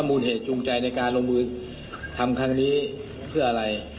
มูลเหตุจูงใจในการลงมือทำครั้งนี้เพื่ออะไร